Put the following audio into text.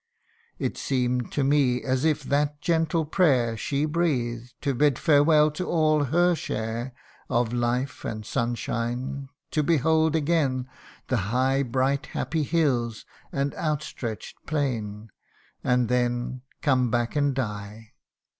CANTO HI. 1 1 It seem'd to me as if that gentle prayer She breathed to bid farewell to all her share Of life and sunshine ; to behold again The high bright happy hills and outstretch 'd plain ; And then come back and die.